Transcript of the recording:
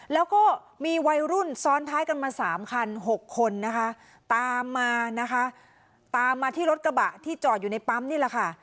แล้วก็มีวัยรุ่นซ้อนท้ายกันมาสามคัน๖คนนะคะตามมานะคะตามมาที่รถกระบะที่จอดอยู่ในปั๊มนี่แหละค่ะ